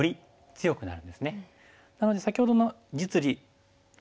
なので先ほどの実利優先